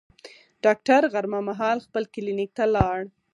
ډاکټر غرمه مهال خپل کلینیک ته لاړ.